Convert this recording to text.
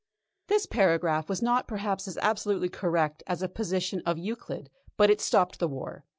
This paragraph was not perhaps as absolutely correct as a proposition in Euclid, but it stopped the war.